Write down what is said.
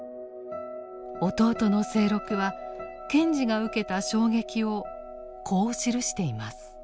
弟の清六は賢治が受けた衝撃をこう記しています。